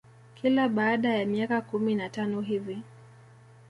Kila baada ya miaka kumi na tano hivi